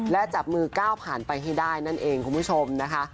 และจับมือก้าวผ่านไปให้ได้นั่นเองคุณผู้ชมนะคะ